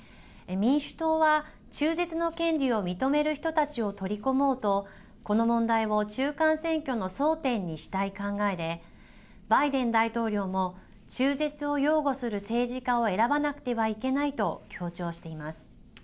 民主党は中絶の権利を認める人たちを取り込もうとこの問題を中間選挙の争点にしたい考えでバイデン大統領も中絶を擁護する政治家を選ばなくてはいけないと強調しています。